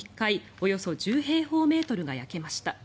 およそ１０平方メートルが焼けました。